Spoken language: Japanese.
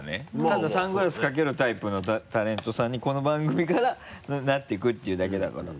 ただサングラスかけるタイプのタレントさんにこの番組からなっていくっていうだけだから。